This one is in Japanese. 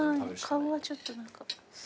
顔はちょっと何か。